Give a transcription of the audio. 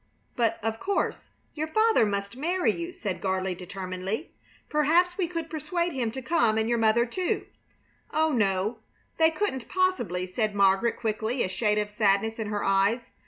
"But, of course, your father must marry you," said Gardley, determinedly. "Perhaps we could persuade him to come, and your mother, too." "Oh no, they couldn't possibly," said Margaret, quickly, a shade of sadness in her eyes.